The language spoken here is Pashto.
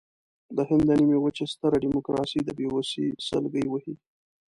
د هند د نیمې وچې ستره ډیموکراسي د بېوسۍ سلګۍ وهي.